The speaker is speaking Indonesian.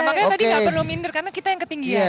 makanya tadi nggak perlu minder karena kita yang ketinggian